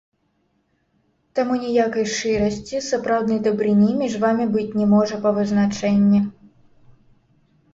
Таму ніякай шчырасці, сапраўднай дабрыні між вамі быць не можа па вызначэнні.